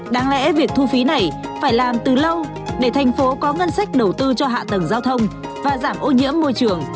đáng lẽ việc thu phí này phải làm từ lâu để thành phố có ngân sách đầu tư cho hạ tầng giao thông và giảm ô nhiễm môi trường